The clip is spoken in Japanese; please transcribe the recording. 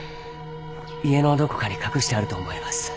家のどこかに隠してあると思います。